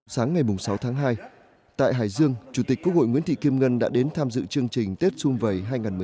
sáng ngày sáu tháng hai tại hải dương chủ tịch quốc hội nguyễn thị kim ngân đã đến tham dự chương trình tết xung vầy hai nghìn một mươi chín